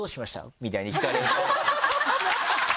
みたいに聞かれると。